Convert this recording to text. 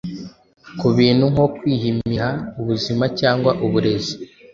kubintu nko kwihimiha, ubuzima cyangwa uburezi